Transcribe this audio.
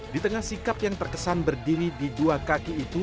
di tengah sikap yang terkesan berdiri di dua kaki itu